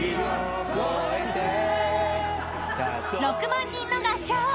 ［６万人の合唱］